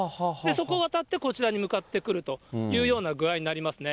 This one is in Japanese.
そこを渡って、こちらに向かってくるというような具合になりますね。